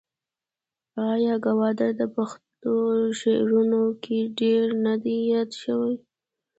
آیا ګودر د پښتو شعرونو کې ډیر نه دی یاد شوی؟